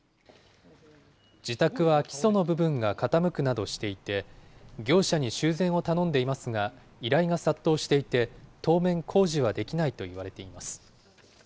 自宅は基礎の部分が傾くなどしていて、業者に修繕を頼んでいますが、依頼が殺到していて、当面、工事はできないといわれています。